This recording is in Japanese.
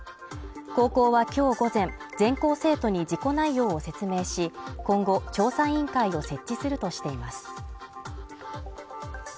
高校は今日午前、全校生徒に事故内容を説明し、今後、調査委員会を設置するとしています。